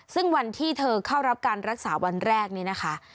ซึ่งวันที่เธอเข้ารับการรักษาวันแรกนี้นะคะ